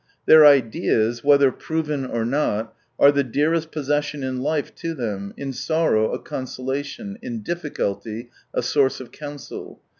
Their ideas, whether proven or not, are the dearest possession in life to them, in sorrow a consolation, in difficulty a source of counsel.